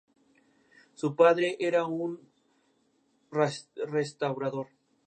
Su padre era un restaurador.